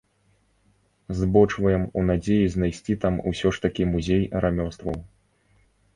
Збочваем у надзеі знайсці там усё ж такі музей рамёстваў.